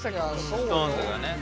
ＳｉｘＴＯＮＥＳがね。